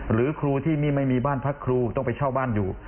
หรือครูที่นี่ไม่มีบ้านพักครูต้องไปเช่าบ้านอยู่